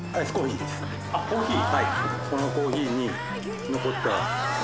あコーヒー。